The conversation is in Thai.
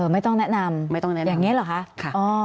ไม่ต้องแนะนำอย่างนี้เหรอคะ